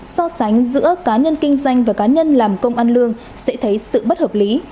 so sánh giữa cá nhân kinh doanh và cá nhân làm công ăn lương sẽ thấy sự bất hợp lý